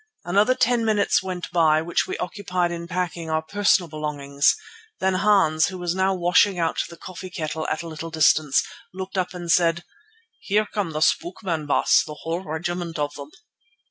Another ten minutes went by which we occupied in packing our personal belongings. Then Hans, who was now washing out the coffee kettle at a little distance, looked up and said: "Here come the spook men, Baas, the whole regiment of them."